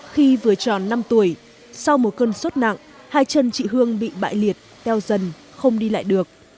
khi vừa tròn năm tuổi sau một cơn sốt nặng hai chân chị hương bị bại liệt teo dần không đi lại được